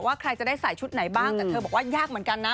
ใครจะได้ใส่ชุดไหนบ้างแต่เธอบอกว่ายากเหมือนกันนะ